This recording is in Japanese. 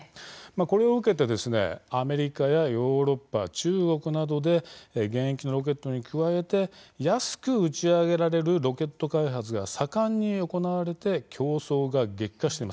これを受けてアメリカやヨーロッパ、中国などで現役のロケットに加えて安く打ち上げられるロケット開発が盛んに行われて競争が激化しています。